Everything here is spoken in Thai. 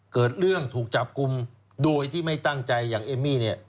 เกิดเรื่องถูกจับกลุ่มโดยที่ไม่ตั้งใจอย่างเอมมี่เนี่ย